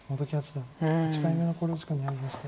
本木八段８回目の考慮時間に入りました。